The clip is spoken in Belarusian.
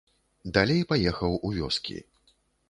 Далей паехаў у вёскі.